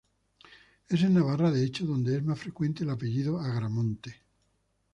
Es en Navarra de hecho donde que es más frecuente el apellido "Agramonte".